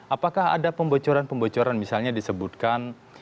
apakah ada pembocoran pembocoran misalnya disebutkan